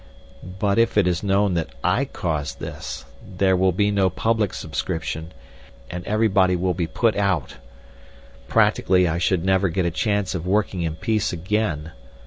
But if it is known that I caused this, there will be no public subscription, and everybody will be put out. Practically I should never get a chance of working in peace again.